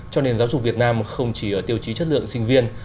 cho nền giáo dục việt nam không chỉ ở tiêu chí chất lượng sinh viên